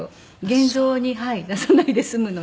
現像に出さないで済むので。